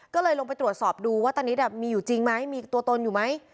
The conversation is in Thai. ก็เลยลงไปตรวจสอบดูว่าตานิดมีอยู่จริงไหมมีตัวตนอยู่ไหม